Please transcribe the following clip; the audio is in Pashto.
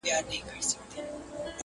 لار یې واخیسته د غره او د لاښونو؛